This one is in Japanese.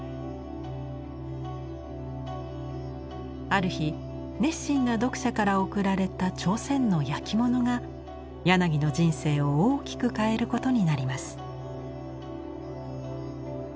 ある日熱心な読者から贈られた朝鮮の焼き物が柳の人生を大きく変えることになります。